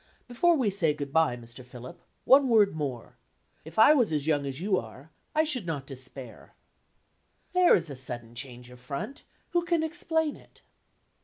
'Before we say good by, Mr. Philip, one word more. If I was as young as you are, I should not despair.' There is a sudden change of front! Who can explain it?"